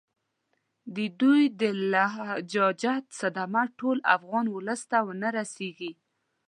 د دوی د لجاجت صدمه ټول افغان اولس ته ونه رسیږي.